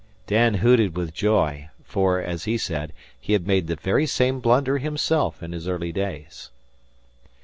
Dan hooted with joy, for, as he said, he had made the very same blunder himself in his early days.